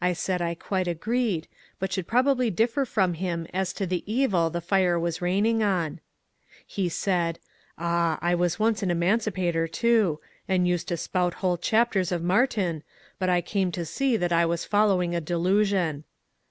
I said I quite agreed, but should probably differ from him as to the evil the fire was raining on. He said, ^' Ah, I was once an emancipator too, and used to spout whole chapters of Martyn, but I came to see that I was following a delusion."